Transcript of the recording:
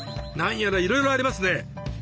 何やらいろいろありますね。